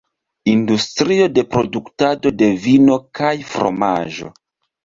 Industrio de produktado de vino kaj fromaĝo.